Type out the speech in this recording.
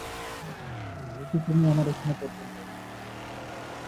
যেহেতু তুমি আমার এখানে পর্যন্ত আসতে পেরেছ।